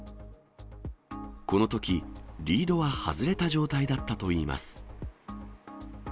このとき、リードは外れた状態だったといいます。